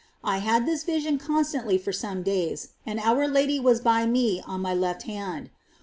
I had this vision constantly for some days, and our Lady was by me on my left hand.